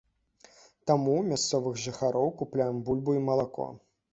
Таму ў мясцовых жыхароў купляем бульбу і малако.